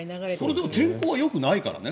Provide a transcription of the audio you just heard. これ、天候はよくないからね。